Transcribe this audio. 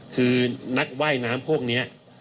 คือนักว่ายน้ำพวกนี้